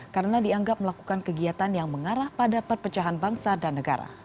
karena dianggap melakukan kegiatan yang mengarah pada perpecahan bangsa dan negara